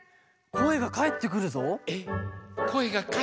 ⁉こえがかえってくるぞ。